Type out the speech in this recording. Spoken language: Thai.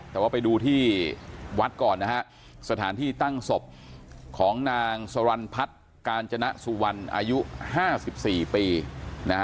แต่ว่าไปดูที่วัดก่อนนะฮะสถานที่ตั้งศพของนางสรรพัฒน์กาญจนสุวรรณอายุห้าสิบสี่ปีนะฮะ